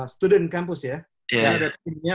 student campus ya ada timnya